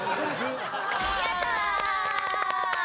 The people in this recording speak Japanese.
やった！